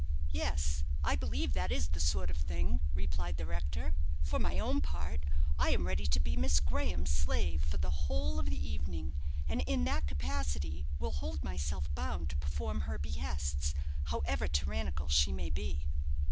"Yes, I believe that is the sort of thing," replied the rector. "For my own part, I am ready to be Miss Graham's slave for the whole of the evening; and in that capacity will hold myself bound to perform her behests, however tyrannical she may be."